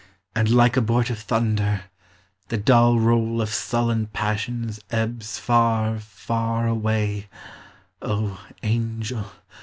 And like abortive thunder, the dull roll Of sullen passions ebbs far, far away, — O Angel